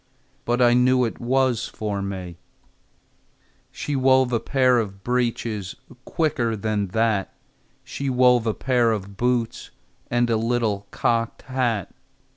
But I knew it was for me. She wove a pair of breeches Quicker than that! She wove a pair of boots And a little cocked hat.